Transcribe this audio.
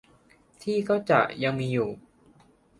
ที่ก็จะยังมีอยู่